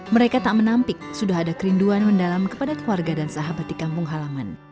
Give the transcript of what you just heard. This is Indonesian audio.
mereka tak menampik sudah ada kerinduan mendalam kepada keluarga dan sahabat di kampung halaman